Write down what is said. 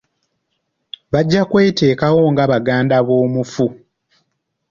Bajja kweteekawo nga baganda b'omufu.